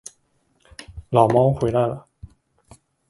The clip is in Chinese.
牢猫回来了